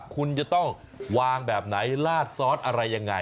คุณจะต้องวางแบบไหนลาดซอสอะไรยังไง